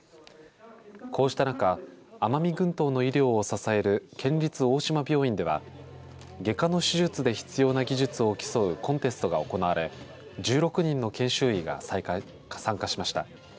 こうした中奄美群島の医療を支える県立大島病院では外科の手術で必要な技術を競うコンテストが行われ１６人の研修医が参加しました。